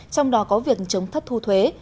trong đó có việc chống thất thu thuế